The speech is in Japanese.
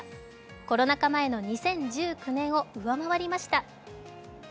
コロナ禍前の２０１９年を上回りました。